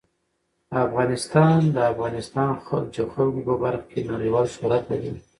افغانستان د د افغانستان جلکو په برخه کې نړیوال شهرت لري.